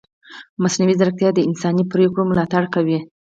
مصنوعي ځیرکتیا د انساني پرېکړو ملاتړ کوي.